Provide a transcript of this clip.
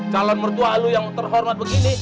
calon mertua alu yang terhormat begini